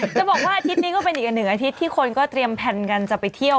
จะบอกว่าอาทิตย์นี้ก็เป็นอีกหนึ่งอาทิตย์ที่คนก็เตรียมแผนกันจะไปเที่ยว